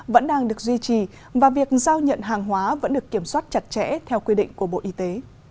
vẫn đang được duy trì và việc giao nhận hàng hóa vẫn được kiểm soát chặt chẽ theo quy định của bộ y tế